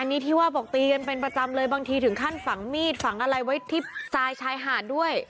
อันนี้ที่ว่าบอกตีกันเป็นประจำเลยบางทีถึงขั้นฝังมีดฝังอะไรไว้ที่ทรายชายหาดด้วย